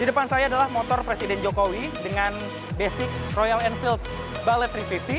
di depan saya adalah motor presiden jokowi dengan basic royal enfield ballet tiga ratus lima puluh